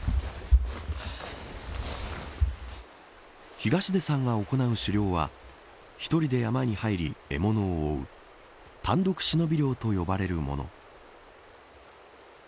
東出さんが行う狩猟は１人で山に入り、獲物を追う単独忍び猟と呼ばれるもの。